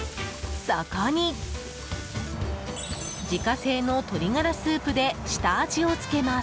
そこに、自家製の鶏ガラスープで下味をつけます。